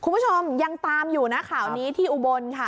ผู้ชมยังตามอยู่นะค่ะอันนี้ที่อุบลค่ะ